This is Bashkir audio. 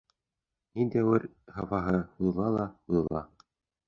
Ни дәүер хафаһы һуҙыла ла һуҙыла.